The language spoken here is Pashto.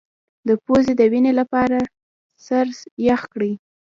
د پوزې د وینې لپاره سر یخ کړئ